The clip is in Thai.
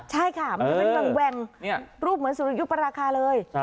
ใช่ค่ะมันเป็นแหว่งรูปเหมือนสุริยุปราคาเลย